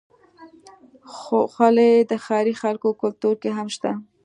خولۍ د ښاري خلکو کلتور کې هم شته.